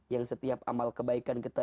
yang setiap amal kebaikan kita